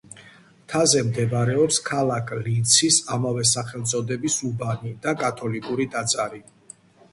მთაზე მდებარეობს ქალაქ ლინცის ამავე სახელწოდების უბანი და კათოლიკური ტაძარი.